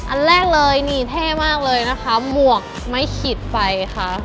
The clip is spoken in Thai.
อันแรกเลยนี่เท่มากเลยนะคะหมวกไม่ขีดไฟค่ะ